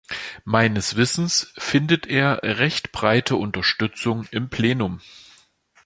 Meines Wissens findet er recht breite Unterstützung im Plenum.